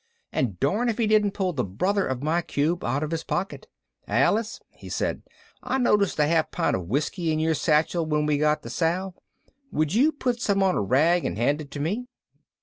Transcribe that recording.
And darn if he didn't pull the brother of my cube out of his pocket. "Alice," he said, "I noticed a half pint of whiskey in your satchel when we got the salve. Would you put some on a rag and hand it to me."